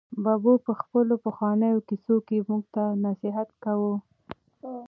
ببو په خپلو پخوانیو کیسو کې موږ ته نصیحت کاوه.